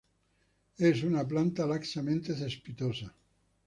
Es una planta laxamente cespitosa.